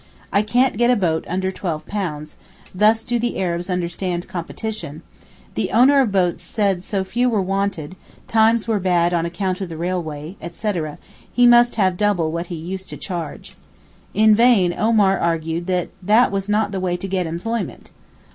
I can't get a boat under £12; thus do the Arabs understand competition; the owner of boats said so few were wanted, times were bad on account of the railway, etc., he must have double what he used to charge. In vain Omar argued that that was not the way to get employment.